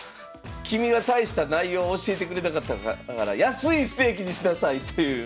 「君は大した内容を教えてくれなかったから安いステーキにしなさい」という。